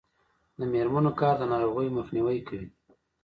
د میرمنو کار د ناروغیو مخنیوی کوي.